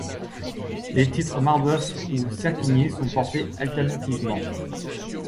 Les titres Marbeuf ou Serquigny sont portés alternativement.